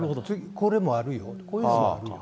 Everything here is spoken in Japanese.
これもあるよ、こういうのもあるよ。